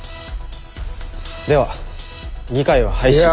では議会は廃止。